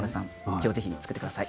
きょう、ぜひ作ってください。